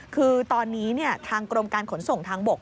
คือตอนนี้ทางกรมการขนส่งทางบก